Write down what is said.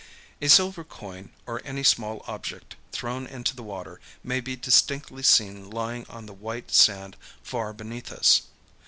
A silver coin or any small object thrown into the water may be distinctly seen lying on the white sand far beneath us.